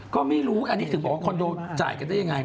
ก็ไม่รู้อันนี้ถึงบอกว่าคอนโดจ่ายกันได้ยังไง